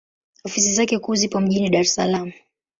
Ofisi zake kuu zipo mjini Dar es Salaam.